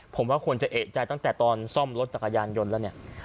ผมว่าควรจะเอกใจตั้งแต่ตอนซ่อมรถจักรยานยนต์แล้วเนี่ย